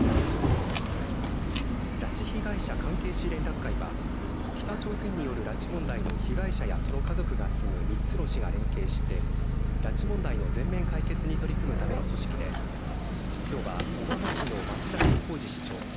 拉致被害者関係市連絡会は北朝鮮による拉致問題の被害者や、その家族が住む３つの市が連携して拉致問題の全面解決に取り組むための組織できょうは小浜市の松崎晃治市長